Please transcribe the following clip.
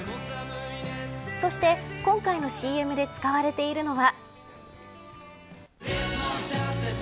そして今回のＣＭで使われているのは。